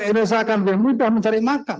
indonesia akan lebih mudah mencari makan